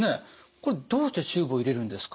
これどうしてチューブを入れるんですか？